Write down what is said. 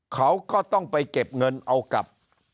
เขาก็ต้องไปเก็บเงินเอากับ